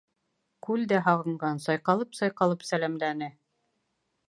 Күл дә һағынған: сайҡалып-сайҡалып сәләмләне.